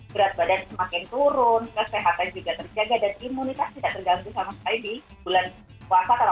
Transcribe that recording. gerat badan semakin turun kesehatan juga terjaga dan imunitas tidak terganggu sama sekali di bulan puasa atau bulan bulan bulan